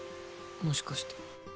もしかして。